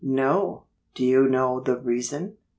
"No!" "Do you know the reason?"